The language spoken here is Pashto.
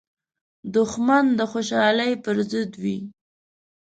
دښمن د خوشحالۍ پر ضد وي